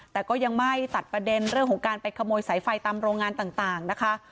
แต่ก็ยังไม่ตัดประเด็นเรื่องของการไปขโมยสายไฟตามโรงงานต่างนะคะ